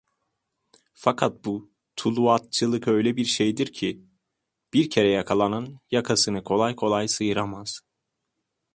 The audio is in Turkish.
Fakat bu tuluatçılık öyle bir şeydir ki, bir kere yakalanan yakasını kolay kolay sıyıramaz…